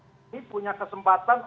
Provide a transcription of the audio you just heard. ini punya kesempatan untuk